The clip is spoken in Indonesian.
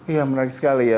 ya menarik sekali ya